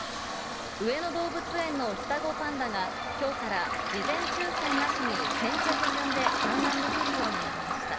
上野動物園の双子パンダが、きょうから事前抽せんなしに先着順で観覧できるようになりました。